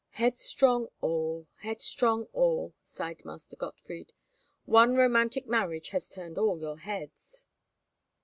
"Headstrong all, headstrong all," sighed Master Gottfried. "One romantic marriage has turned all your heads."